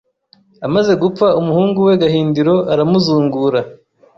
Amaze gupfa umuhungu we Gahindiro aramuzungura